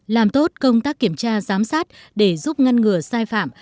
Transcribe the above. làm tốt công tác kiểm tra giám sát để giúp ngăn ngừa sai phạm